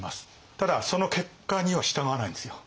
ただその結果には従わないんですよ。